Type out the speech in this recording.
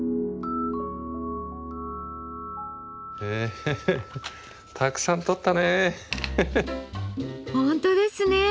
へえたくさん撮ったね。